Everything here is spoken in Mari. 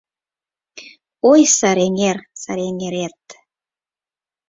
Ой, Сарэҥер, Сарэҥерет